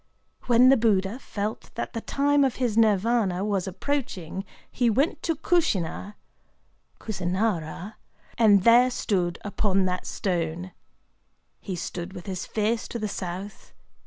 When the Buddha felt that the time of his Nirvâna was approaching, he went to Kushina [Kusinârâ], and there stood upon that stone. He stood with his face to the south.